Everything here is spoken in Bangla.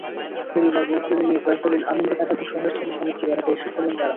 পরিবার, বন্ধুদের নিয়ে কয়েকটা দিন আনন্দে কাটাতে শহর ছেড়ে সমুদ্রে বেড়াতে এসেছিলেন তাঁরা।